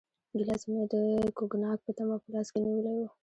ګیلاس مې د کوګناک په تمه په لاس کې نیولی و.